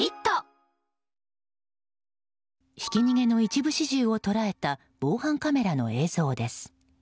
ひき逃げの一部始終を捉えた防犯カメラの映像です。